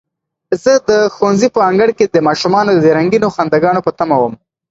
زه د ښوونځي په انګړ کې د ماشومانو د رنګینو خنداګانو په تمه وم.